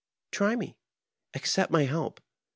Try me. Accept my help.